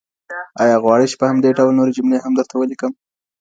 ایا غواړئ چي په همدې ډول نورې جملې هم درته ولیکم؟